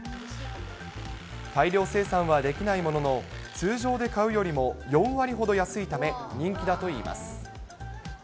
大量生産はできないものの、通常で買うよりも４割ほど安いため人気だといいます。